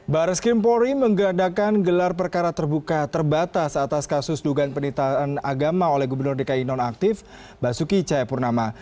baris krim polri menggeradakan gelar perkara terbuka terbatas atas kasus dugaan penelitian agama oleh gubernur dki non aktif basuki cahapurnama